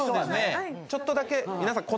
ちょっとだけ皆さん。